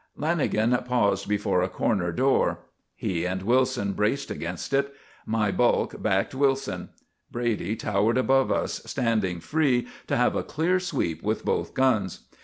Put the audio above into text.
Lanagan paused before a corner door. He and Wilson braced against it. My bulk backed Wilson. Brady towered above us, standing free to have a clear sweep with both guns.